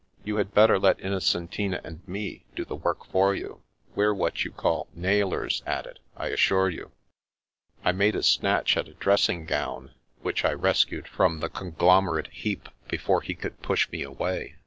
You had better let Innocentina and me do the work for you. We're what you call * nailers ' at it, I assure you." I made a snatch at a dressing gown, which I rescued from the conglomerate heap before he could 286 The Princess Passes push me away.